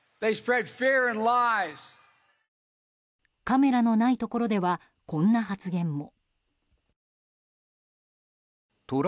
カメラのないところではこんな発言も。